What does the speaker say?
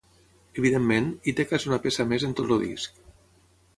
Evidentment, Ítaca és una peça més en tot el disc.